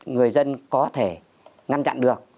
người dân có thể ngăn chặn được